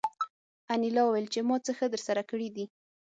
انیلا وویل چې ما څه ښه درسره کړي دي